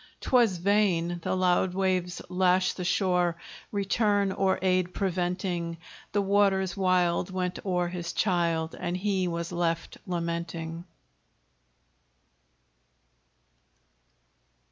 'Twas vain: the loud waves lashed the shore, Return or aid preventing: The waters wild went o'er his child, And he was left lamenting.